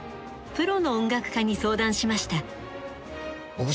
プロの音楽家に相談しました。